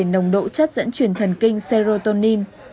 nồng độ chất dẫn truyền thần kinh serotonin